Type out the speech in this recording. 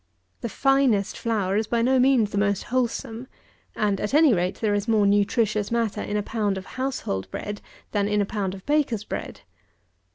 The finest flour is by no means the most wholesome; and, at any rate, there is more nutritious matter in a pound of household bread than in a pound of baker's bread.